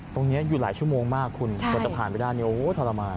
ตรงนี้อยู่หลายชั่วโมงมากคุณโดยจะผ่านไปด้านนี้โอ้โฮทรมาน